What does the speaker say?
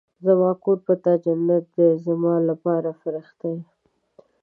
زما کور په تا جنت دی ، زما لپاره فرښته ېې